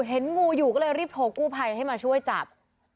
เห็นงูอยู่ก็เลยรีบโทรกู้ภัยให้มาช่วยจับ